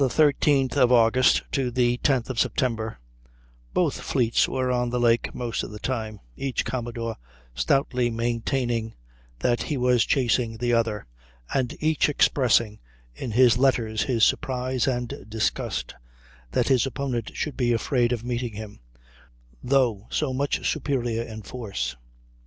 From the 13th of August to the 10th of September both fleets were on the lake most of the time, each commodore stoutly maintaining that he was chasing the other; and each expressing in his letters his surprise and disgust that his opponent should be afraid of meeting him "though so much superior in force."